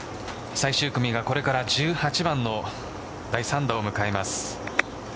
最終組がこれから１８番の第３打を迎えます。